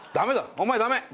お前ダメ！